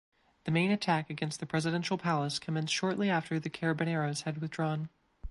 The main attack against the presidential palace commenced shortly after the carabineros had withdrawn.